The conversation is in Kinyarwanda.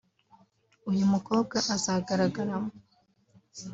uyu mukobwa azagaragaramo